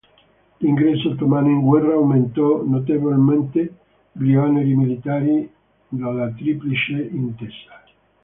L'ingresso ottomano in guerra aumentò notevolmente gli oneri militari della Triplice Intesa.